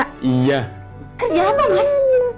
kerja apa bos